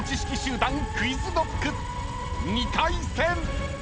［２回戦！］